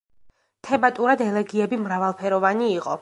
თემატურად ელეგიები მრავალფეროვანი იყო.